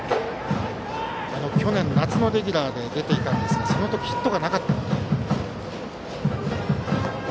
去年、夏のレギュラーで出ていたんですがその時はヒットがなかったと。